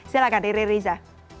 silahkan riri riza